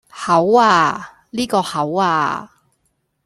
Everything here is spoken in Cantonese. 口呀,呢個口呀